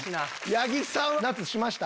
八木さん夏しました？